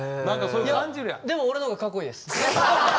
いやでも俺のがかっこいいです。